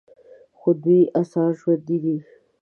خو د دوی آثار ژوندي دي